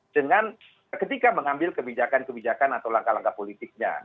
dengan ketika mengambil kebijakan kebijakan atau langkah langkah politiknya